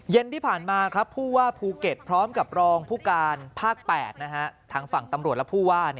เย็นที่ผ่านมาครับผู้ว่าภูเก็ตพร้อมกับรองผู้การภาค๘ทางฝั่งตำรวจและผู้ว่า